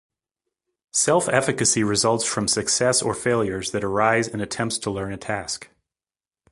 Self-efficacy results from success or failures that arise in attempts to learn a task.